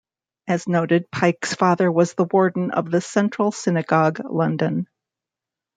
As noted, Pyke's father was the warden of the Central Synagogue, London.